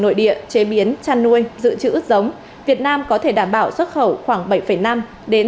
nội địa chế biến chăn nuôi dự trữ ướt giống việt nam có thể đảm bảo xuất khẩu khoảng bảy năm tám triệu